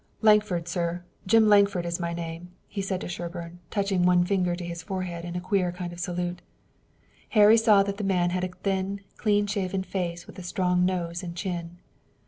"Lankford, sir, Jim Lankford is my name," he said to Sherburne, touching one finger to his forehead in a queer kind of salute. Harry saw that the man had a thin, clean shaven face with a strong nose and chin.